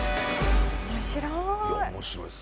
面白い。